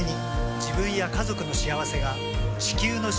自分や家族の幸せが地球の幸せにつながっている。